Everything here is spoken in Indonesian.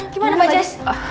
gimana mbak jess